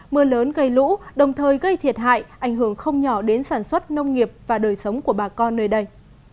mưa lớn gây lũ đồng thời gây thiệt hại ảnh hưởng không nhỏ đến sản xuất nông nghiệp và đời sống của bà con nơi đây